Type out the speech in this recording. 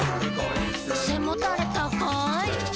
「せもたれたかい！」